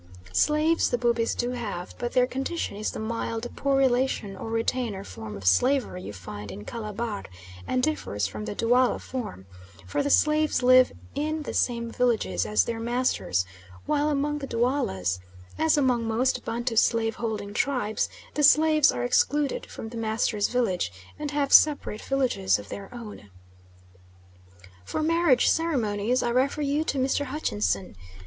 Slaves the Bubis do have, but their condition is the mild, poor relation or retainer form of slavery you find in Calabar, and differs from the Dualla form, for the slaves live in the same villages as their masters, while among the Duallas, as among most Bantu slave holding tribes, the slaves are excluded from the master's village and have separate villages of their own. For marriage ceremonies I refer you to Mr. Hutchinson.